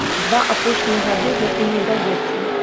Два апошнія гады гэта не ўдаецца.